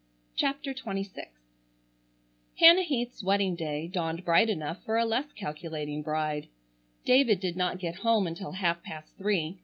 CHAPTER XXVI Hannah Heath's wedding day dawned bright enough for a less calculating bride. David did not get home until half past three.